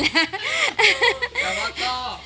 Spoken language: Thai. แต่ว่าก็